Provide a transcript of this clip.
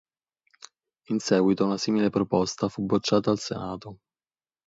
In seguito una simile proposta fu bocciata al Senato.